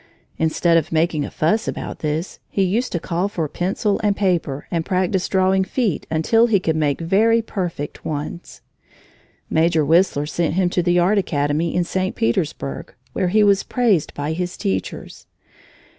Instead of making a fuss about this, he used to call for pencil and paper and practise drawing feet until he could make very perfect ones. Major Whistler sent him to the Art Academy in St. Petersburg, where he was praised by his teachers.